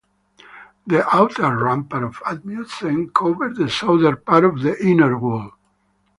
The outer rampart of Amundsen covers the southern part of the inner wall.